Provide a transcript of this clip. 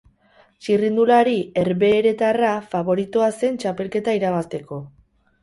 Txirrindulari herbeheretarra faboritoa zen txapelketa irabazteko.